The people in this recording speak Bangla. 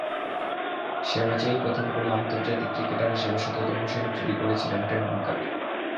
সে ম্যাচেই প্রথম কোনো আন্তর্জাতিক ক্রিকেটার হিসেবে শততম সেঞ্চুরি করেছিলেন টেন্ডুলকার।